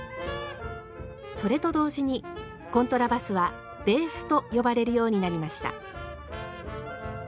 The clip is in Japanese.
それと同時にコントラバスはベースと呼ばれるようになりました。